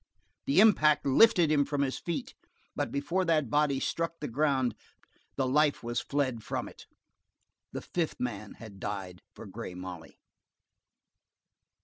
The impact lifted him from his feet, but before that body struck the ground the life was fled from it. The fifth man had died for Grey Molly.